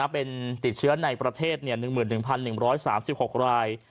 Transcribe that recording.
เป็นติดเชื้อในประเทศ๑๑๑๓๖ราย